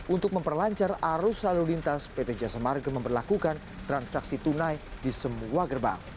untuk memperlancar arus lalu lintas pt jasa marga memperlakukan transaksi tunai di semua gerbang